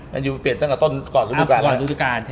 แบนยูเปลี่ยนตั้งแต่ก่อนรูปตัวการ